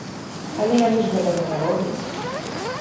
Але яны ж гэтага не робяць.